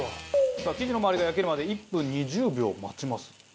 さあ生地の周りが焼けるまで１分２０秒待ちます。